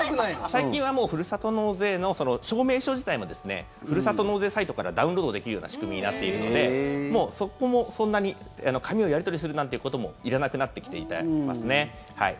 最近はふるさと納税の証明書自体もふるさと納税サイトからダウンロードできるような仕組みになっているのでもうそこも、そんなに紙をやり取りするなんていうこともいらなくなってきていますね。